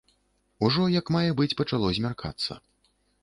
Ужо як мае быць пачало змяркацца.